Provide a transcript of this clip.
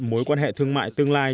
mối quan hệ thương mại tương lai